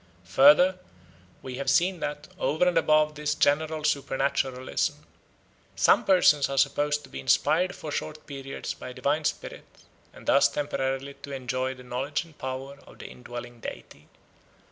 Further, we have seen that, over and above this general supernaturalism, some persons are supposed to be inspired for short periods by a divine spirit, and thus temporarily to enjoy the knowledge and power of the indwelling deity.